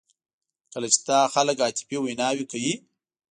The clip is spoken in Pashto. کله چې دا خلک عاطفي ویناوې کوي.